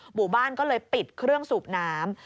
หมู่บ้านก็เลยปิดเครื่องสูบน้ำ